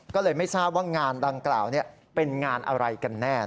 ก็เลยไม่ทราบว่างานดังกล่าวเป็นงานอะไรกันแน่